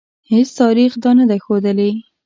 هیڅ تاریخ دا نه ده ښودلې.